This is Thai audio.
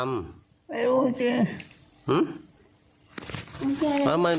ไม่รู้จัง